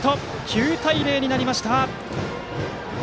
９対０になりました。